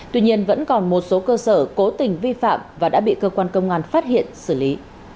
tuy nhiên vẫn còn một số cơ sở cố tình vi phạm và đã bị cơ quan công an phát hiện xử lý